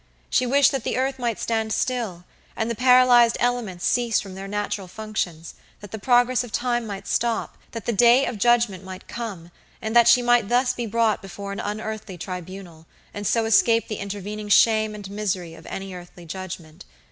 She wished that the earth might stand still, and the paralyzed elements cease from their natural functions, that the progress of time might stop, that the Day of Judgment might come, and that she might thus be brought before an unearthly tribunal, and so escape the intervening shame and misery of any earthly judgment.